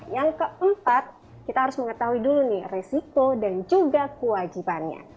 yang keempat kita harus mengetahui dulu nih resiko dan juga kewajibannya